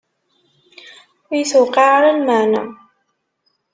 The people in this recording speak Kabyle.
Ur iyi-tuqiɛ ara lmeɛna.